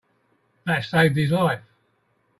That saved his life.